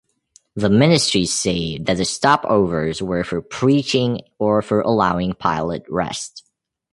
The ministries say that the stopovers were for preaching or for allowing pilot rest.